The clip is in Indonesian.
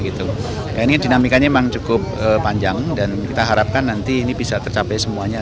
ini dinamikanya memang cukup panjang dan kita harapkan nanti ini bisa tercapai semuanya